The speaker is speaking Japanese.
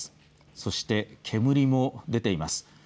そして煙も出ています。